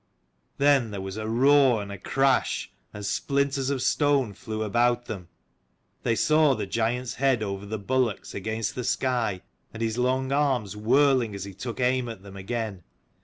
Then there was a roar and a crash, and splinters of stone flew about them. They saw the giant's head over the bulwarks against the sky, and his long arms whirling as he took aim at them again.